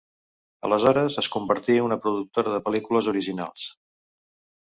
Aleshores, es convertí una productora de pel·lícules originals.